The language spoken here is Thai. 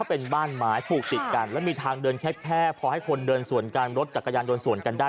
เพราะว่าได้มีทางไปเดินแค่เพราะที่เราเห็นเสียคนได้อยู่ข้างใน